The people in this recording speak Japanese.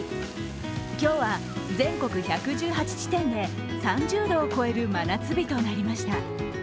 今日は全国１１８地点で３０度を超える真夏日となりました。